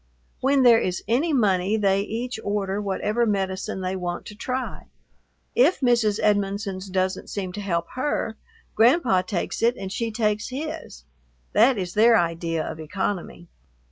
When there is any money they each order whatever medicine they want to try. If Mrs. Edmonson's doesn't seem to help her, Grandpa takes it and she takes his, that is their idea of economy.